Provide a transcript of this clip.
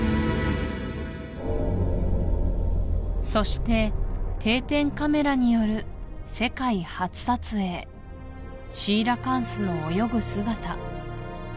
そして定点カメラによる世界初撮影シーラカンスの泳ぐ姿